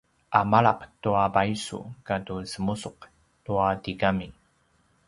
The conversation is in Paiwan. a malap tua paisu katu semusuq tua tigami